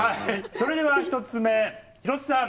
それでは１つ目広瀬さん